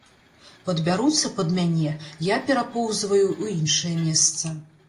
Падбяруцца пад мяне, я перапоўзваю ў іншае месца.